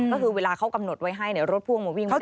ก็คือเวลาเขากำหนดไว้ให้รถพ่วงมาวิ่งไม่ได้